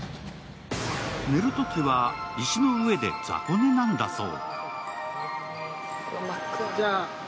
寝るときは、石の上で雑魚寝なんだそう。